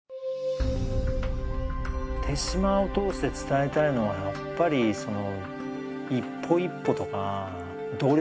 手嶋を通して伝えたいのはやっぱりその一歩一歩とか努力とか。